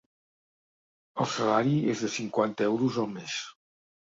El salari és de cinquanta euros al mes.